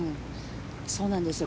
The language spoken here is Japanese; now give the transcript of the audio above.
そうなんですよ。